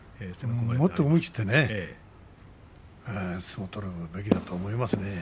もっと思い切って相撲を取るべきだと思いますね。